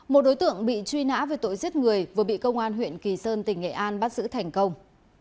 một đối tượng bị truy nã về tội giết người vừa bị công an huyện kỳ sơn tỉnh nghệ an bắt giữ thành công